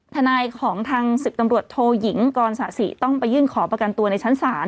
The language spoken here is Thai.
ทนายของทางศิษย์ตำรวจโทหยิงกรสะสิบบอาจต้องไปยื่นขออัพบาทประกันตัวในชั้นสาร